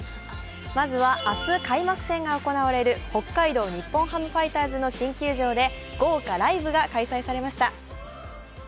まずは明日開幕戦が行われる北海道日本ハムファイターズの新球場で豪華ライブが開催されました。